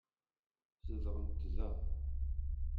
Zedɣent da.